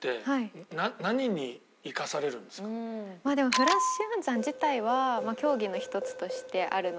でもフラッシュ暗算自体は競技の一つとしてあるので。